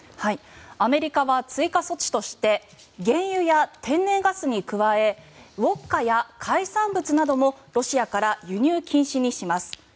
アメリカは追加措置として原油や天然ガスに加えウォッカや海産物などもロシアから輸入禁止にします。